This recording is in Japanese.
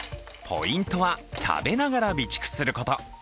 ポイントは、食べながら備蓄すること。